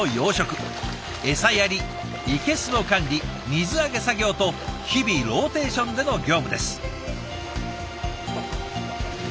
エサやり生けすの管理水揚げ作業と日々ローテーションでの業務です。